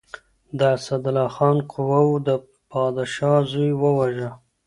د اسدالله خان قواوو د پادشاه زوی وواژه.